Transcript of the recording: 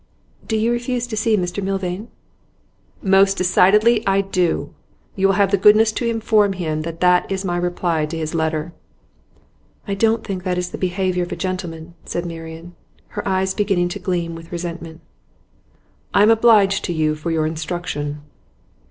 'Do you refuse to see Mr Milvain?' 'Most decidedly I do. You will have the goodness to inform him that that is my reply to his letter.' 'I don't think that is the behaviour of a gentleman,' said Marian, her eyes beginning to gleam with resentment. 'I am obliged to you for your instruction.